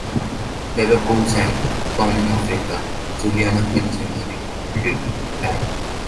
Bebe Cool sang "Born in Africa", Juliana Kanyomozi re-did "Diana".